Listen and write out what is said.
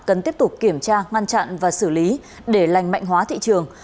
cần tiếp tục kiểm tra ngăn chặn và xử lý để lành mạnh hóa thị trường